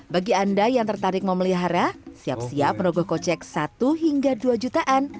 bagi anda yang tertarik memelihara siap siap merogoh kocek satu hingga dua jutaan